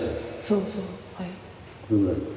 そうそうはい。